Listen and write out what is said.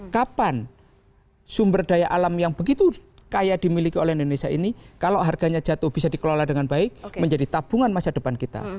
kapan sumber daya alam yang begitu kaya dimiliki oleh indonesia ini kalau harganya jatuh bisa dikelola dengan baik menjadi tabungan masa depan kita